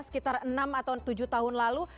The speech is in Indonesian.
sekitar enam atau tujuh tahun lalu